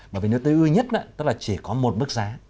bởi vì nếu tối ưu nhất tức là chỉ có một mức giá